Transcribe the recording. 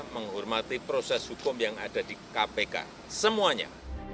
menghormati proses hukum yang ada di kpk semuanya